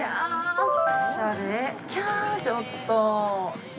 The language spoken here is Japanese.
◆ちょっとお。